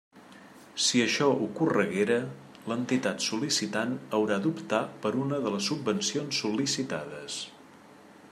Si això ocorreguera, l'entitat sol·licitant haurà d'optar per una de les subvencions sol·licitades.